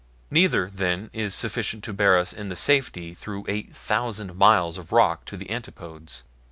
Neither, then, is sufficient to bear us in safety through eight thousand miles of rock to the antipodes."